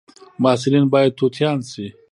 محصلین باید توتیان شي